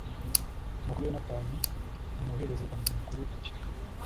atuma kuri yonatani, umuherezabitambo mukuru, ati